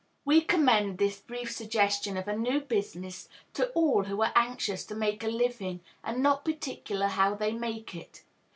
We commend this brief suggestion of a new business to all who are anxious to make a living and not particular how they make it.